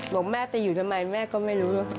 บอกแม่จะอยู่ทำไมแม่ก็ไม่รู้